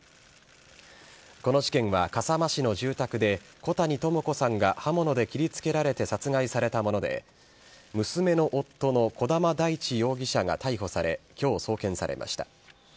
この事件は、笠間市の住宅で小谷朋子さんが刃物で切りつけられて殺害されたもので、娘の夫の児玉大地容疑者が逮捕され、きょう送検されました。